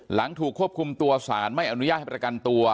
หลังถูกควบคุมตัวสารไม่อนุญาตให้ประกันตัว